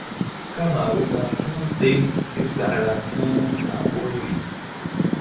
Kamaru ɓa puh ɗeŋ ke sakra puh a ɓoruri.